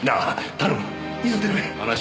頼む！